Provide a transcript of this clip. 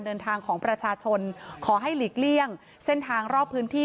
เดินทางของประชาชนขอให้หลีกเลี่ยงเส้นทางรอบพื้นที่